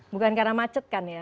bukan karena macet kan ya